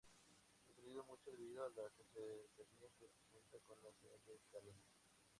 Ha crecido mucho debido a la cercanía que presenta con la ciudad de Cardenas.